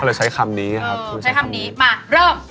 ก็เลยใช้คำนี้ครับ